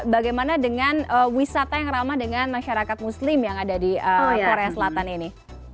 bagaimana dengan wisata yang ramah dengan masyarakat muslim yang ada di korea selatan ini